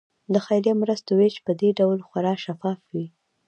د خیریه مرستو ویش په دې ډول خورا شفاف وي.